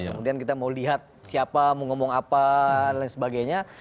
kemudian kita mau lihat siapa mau ngomong apa dan lain sebagainya